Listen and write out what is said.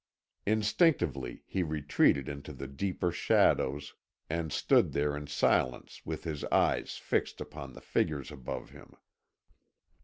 Instinctively he retreated into the deeper shadows, and stood there in silence with his eyes fixed upon the figures above him.